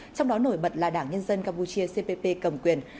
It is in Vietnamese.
trong đó nổi bật là đảng nhân dân campuchia cpp cầm quyền